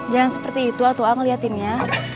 jangan seperti itu a a t ngeliatin ya